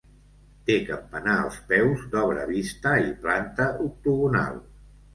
Té campanar als peus, d'obra vista i planta octogonal.